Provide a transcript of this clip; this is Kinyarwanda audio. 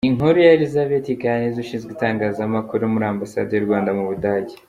Ni Inkuru ya Elisabeth Kaneza Ushinzwe itangazamakuru muri Ambasade y’u Rwanda mu Budage.